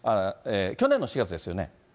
去年の４月ですよね？